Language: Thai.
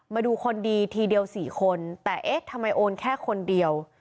มาดูคนดีทีเดียว๔คนแต่เอ๊ะทำไมโอนแค่คนเดียว